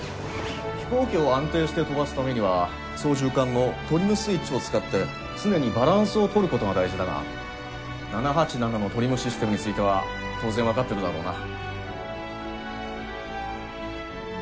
飛行機を安定して飛ばすためには操縦桿のトリム・スイッチを使って常にバランスを取る事が大事だが７８７のトリム・システムについては当然わかってるだろうな？